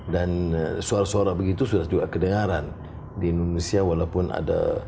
dan suara suara begitu sudah juga kedengaran di indonesia walaupun ada